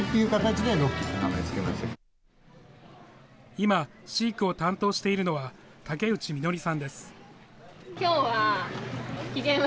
今、飼育を担当しているのは竹内みのりさんです。